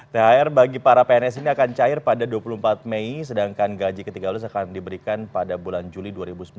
thr bagi para pns ini akan cair pada dua puluh empat mei sedangkan gaji ke tiga belas akan diberikan pada bulan juli dua ribu sembilan belas